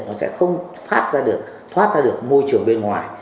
nó sẽ không thoát ra được môi trường bên ngoài